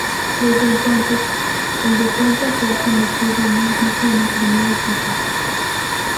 Desde entonces, el defensa se ha convertido en un fijo en el primer equipo.